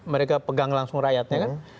mereka pegang langsung rakyatnya kan